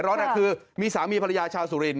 ร้อนคือมีสามีภรรยาชาวสุรินท